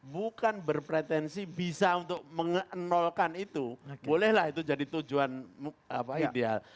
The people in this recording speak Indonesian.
bukan berpretensi bisa untuk mengenolkan itu bolehlah itu jadi tujuan ideal